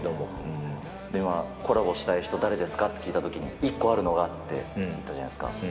コラボしたい人、誰ですかって聞いたときに、一個あるのはって言ったじゃないですか。